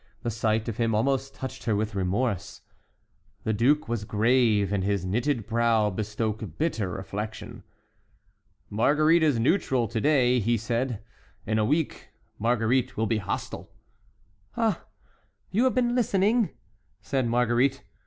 The sight of him almost touched her with remorse. The duke was grave, and his knitted brow bespoke bitter reflection. "Marguerite is neutral to day," he said; "in a week Marguerite will be hostile." "Ah! you have been listening?" said Marguerite.